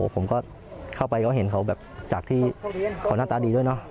ผมก็เข้าไปเขาเห็นเขาแบบจากที่เขาหน้าตาดีด้วยเนาะ